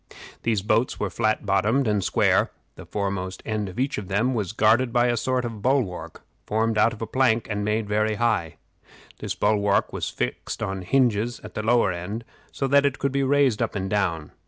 These boats were flat bottomed and square; the foremost end of each of them was guarded by a sort of bulwark, formed of plank, and made very high. This bulwark was fixed on hinges at the lower end, so that it could be raised up and down.